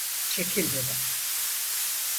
Çekil dedim!